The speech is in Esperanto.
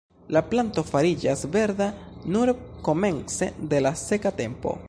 La planto fariĝas verda nur komence de la seka tempo.